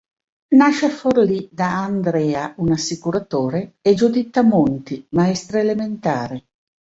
Nasce a Forlì da Andrea, un assicuratore, e Giuditta Monti, maestra elementare.